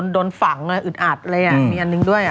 โดนฝังอะอึดอัดอะไรอะมีอันนึงด้วยอะ